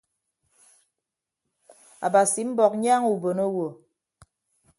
Abasi mbọk nyaaña ubon owo.